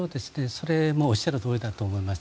それもおっしゃるとおりだと思います。